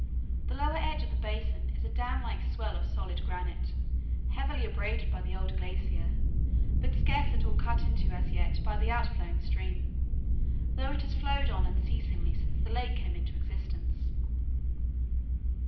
The lower edge of the basin is a dam like swell of solid granite, heavily abraded by the old glacier, but scarce at all cut into as yet by the outflowing stream, though it has flowed on unceasingly since the lake came into existence.